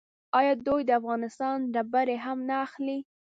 آیا دوی د افغانستان ډبرې هم نه اخلي؟